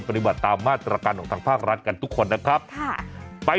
ปฏิบัติตามมาตรการของทางภาครัฐกันทุกคนนะครับค่ะไป